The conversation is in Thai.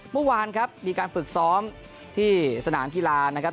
เมื่อวานครับมีการฝึกซ้อมที่สนามกีฬานะครับ